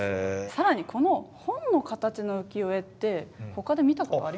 更にこの本の形の浮世絵ってほかで見たことありますか？